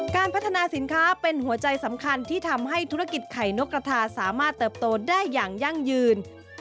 การพัฒนาสินค้าเป็นหัวใจสำคัญที่ทำให้ธุรกิจไข่นกกระทาสามารถเติบโตได้อย่างยั่งยืน